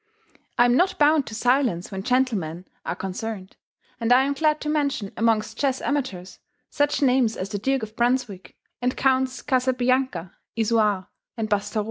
I am not bound to silence when gentlemen are concerned, and I am glad to mention amongst chess amateurs, such names as the Duke of Brunswick and Counts Casabianca, Isouard, and Bastorot.